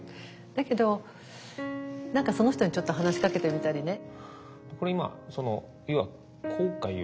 だけど何かその人にちょっと話しかけてみたりね。